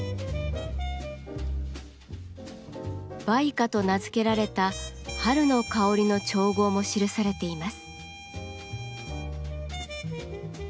「梅花」と名付けられた春の香りの調合も記されています。